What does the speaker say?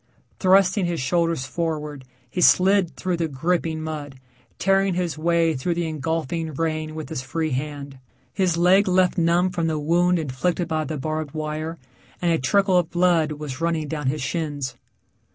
Thrusting his shoulders forward he slid through the gripping mud, tearing his way through the engulfing rain with his free hand. His leg left numb from the wound inflicted by the barbed wire, and a trickle of blood was running down his shins.